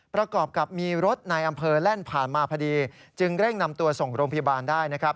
ประกอบกับมีรถในอำเภอแล่นผ่านมาพอดีจึงเร่งนำตัวส่งโรงพยาบาลได้นะครับ